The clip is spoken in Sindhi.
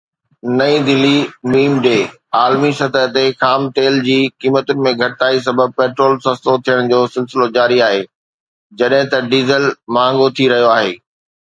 نئين دهلي (م ڊ) عالمي سطح تي خام تيل جي قيمتن ۾ گهٽتائي سبب پيٽرول سستو ٿيڻ جو سلسلو جاري آهي جڏهن ته ڊيزل مهانگو ٿي رهيو آهي.